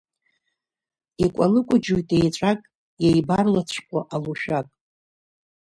Икәалыкәаџьоит еҵәак, еибарлацәҟәуа алушәак.